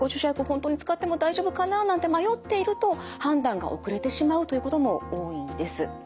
本当に使っても大丈夫かななんて迷っていると判断が遅れてしまうということも多いんです。